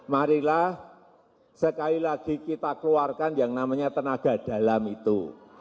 marilah sekali lagi kita keluarkan yang namanya tenaga dalam itu